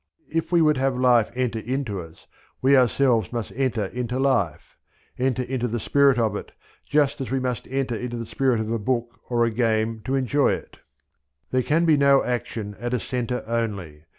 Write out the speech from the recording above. If we would have life enter into us, we ourselves must enter into life enter into the spirit of it, just as we must enter into the spirit of a book or a game to enjoy it. There can be no action at a centre only.